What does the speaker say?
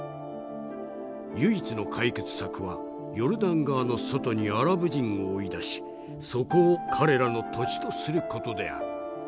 唯一の解決策はヨルダン川の外にアラブ人を追い出しそこを彼らの土地とする事である。